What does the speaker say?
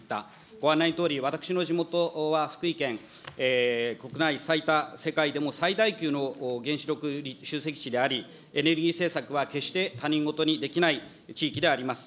ご案内のとおり、私の地元は福井県、国内最多、世界でも最大級の原子力集積地であり、エネルギー政策は決して他人ごとにできない地域であります。